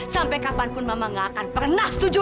sampai kapanpun mama gak akan pernah setuju